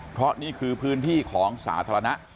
เพราะนี่คือพื้นที่ของสาธารณะ